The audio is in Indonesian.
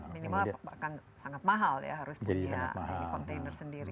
minimal akan sangat mahal ya harus punya container sendiri